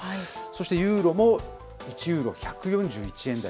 そしてユーロも、１ユーロ１４１円台。